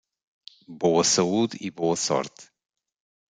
Boa saúde e boa sorte